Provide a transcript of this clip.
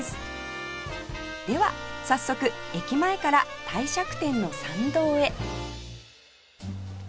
では早速駅前から帝釈天の参道へ